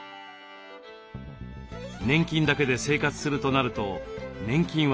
年金だけで生活するとなると年金は１０４万円。